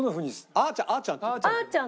あーちゃん？